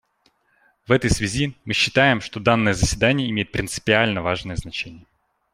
В этой связи мы считаем, что данное заседание имеет принципиально важное значение.